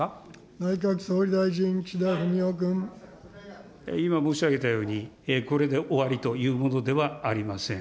内閣総理大臣、今申し上げたように、これで終わりというものではありません。